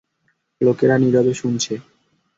লোকেরা নীরবে শুনছে।